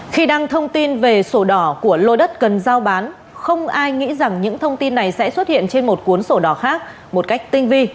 khi đăng thông tin về sổ đỏ của lô đất cần giao bán không ai nghĩ rằng những thông tin này sẽ xuất hiện trên một cuốn sổ đỏ khác một cách tinh vi